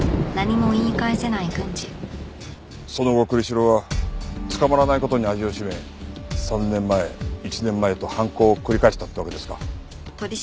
その後栗城は捕まらない事に味を占め３年前１年前と犯行を繰り返したってわけですか。